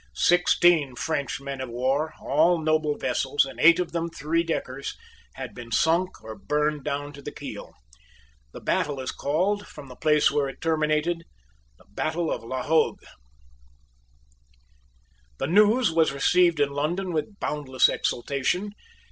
Sixteen French men of war, all noble vessels, and eight of them three deckers, had been sunk or burned down to the keel. The battle is called, from the place where it terminated, the battle of La Hogue. The news was received in London with boundless exultation.